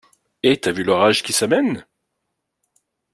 Et t’as vu l’orage qui s’amène?